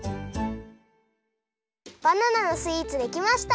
バナナのスイーツできました！